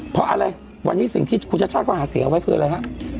เพราะวันนี้สิ่งที่คุณชาติชาติก็หาเสียไว้คืออะไรฮะ